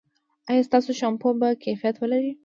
ایا ستاسو شامپو به کیفیت ولري؟